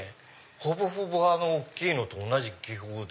ほぼほぼ大きいのと同じ技法で？